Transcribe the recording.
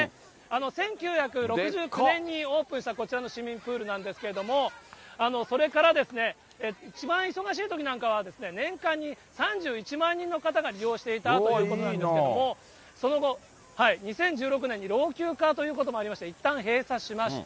１９６９年にオープンしたこちらの市民プールなんですけれども、それからですね、一番忙しいときなんかは、年間に３１万人の方が利用していたということなんですけれども、その後、２０１６年に老朽化ということもありまして、いったん閉鎖しました。